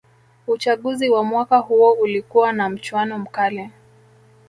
uchaguzi wa mwaka huo ulikuwa na mchuano mkali